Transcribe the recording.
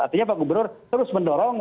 artinya pak gubernur terus mendorong